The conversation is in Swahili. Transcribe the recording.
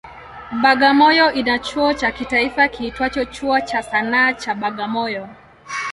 Bagamoyo ina chuo cha kitaifa kiitwacho Chuo cha Sanaa cha Bagamoyo.